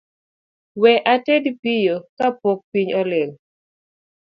We ated piyo kapok piny olil